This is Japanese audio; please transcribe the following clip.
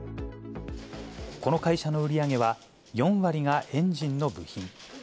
この会社の売り上げは４割がエンジンの部品。